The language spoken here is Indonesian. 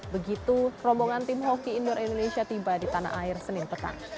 begitu rombongan tim hoki indoor indonesia tiba di tanah air senin petang